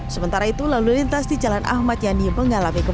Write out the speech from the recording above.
sementara itu lalu lintas di jalan ahmad yani mengalami